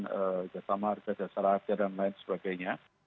dan jasa marga jasa raja dan lain sebagainya